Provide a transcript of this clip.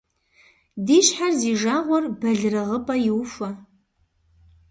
Ди щхьэр зи жагъуэр бэлырыгъыпӏэ иухуэ.